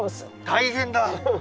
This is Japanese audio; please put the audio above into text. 大変だ。